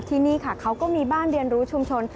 ที่นี่ค่ะเขาก็มีบ้านเรียนรู้ชุมชน